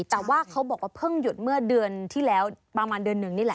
แต่ว่าเขาบอกว่าเพิ่งหยุดเมื่อเดือนที่แล้วประมาณเดือนหนึ่งนี่แหละ